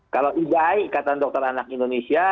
kalau ibai kata dokter anak indonesia